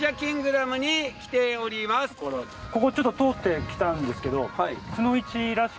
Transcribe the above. ここちょっと通ってきたんですけど。